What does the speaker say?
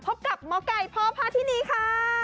พบกับหมอไก่พ่อพาที่นี่ค่ะ